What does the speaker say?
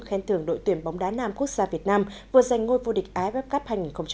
khen thưởng đội tuyển bóng đá nam quốc gia việt nam vừa giành ngôi vô địch iff cup hai nghìn một mươi chín